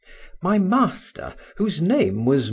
My master, whose name was M.